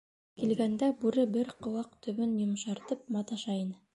Ул килгәндә, Бүре бер ҡыуаҡ төбөн йомшартып маташа ине.